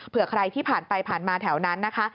ใครที่ผ่านไปผ่านมาแถวนั้นนะคะ